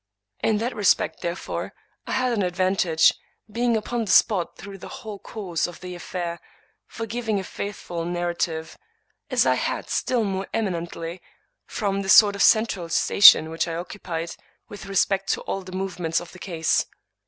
In that respect, therefore, I had an advantage, being upon the spot through the whole course of the affair, for giving a faithful narrative ; as I had still more eminently, from the sort of central station which I occupied, with respect to all the movements of the case.